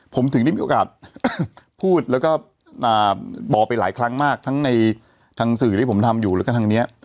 ผมถึงได้มีโอกาสพูดแล้วก็บอกไปหลายครั้งมากทั้งในทางสื่อที่ผมทำอยู่แล้วก็ทางนี้